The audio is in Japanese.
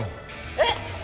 えっ！？